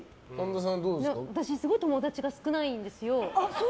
私、すごい友達が少ないんです。